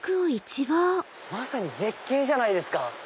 まさに絶景じゃないですか。